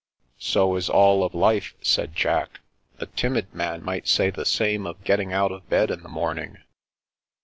"So is all of life," said Jack. "A timid man might say the same of getting out of bed in the morning."